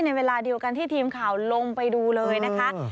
เวลาเดียวกันที่ทีมข่าวลงไปดูเลยนะคะ